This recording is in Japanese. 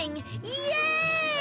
イエーイ！